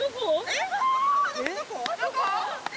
えっどこ？